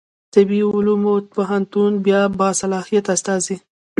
طبي علومو پوهنتون باصلاحیته استازی